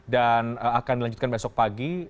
dan akan dilanjutkan besok pagi